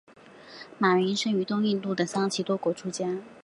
马鸣生于东印度的桑岐多国出家。